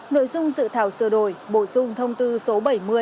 nội dung dự thảo sửa đổi bổ sung thông tư số bảy mươi hai nghìn một mươi năm